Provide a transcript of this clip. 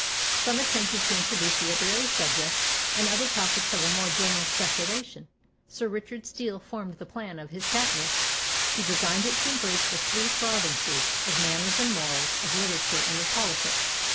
Some attempted to introduce literary subjects, and others topics of a more general speculation. Sir Richard Steele formed the plan of his Tatler. He designed it to embrace the three provinces, of manners and morals, of literature, and of politics.